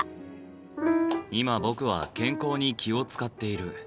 今僕は健康に気を遣っている。